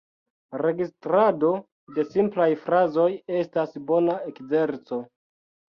Registrado de simplaj frazoj estas bona ekzerco.